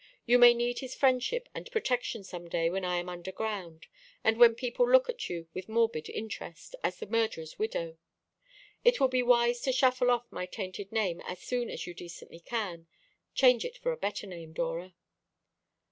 You may need his friendship and protection some day when I am under ground, and when people look at you with a morbid interest, as the murderer's widow. It will be wise to shuffle off my tainted name as soon as you decently can. Change it for a better name, Dora."